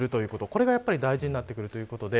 これが大事になってくるということで。